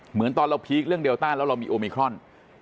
เหมือนตอนเราพีคเรื่องเดลต้าแล้วเรามีโอมิครอน